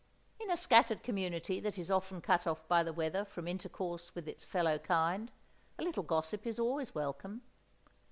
In a scattered community that is often cut off by the weather from intercourse with its fellow kind, a little gossip is always welcome.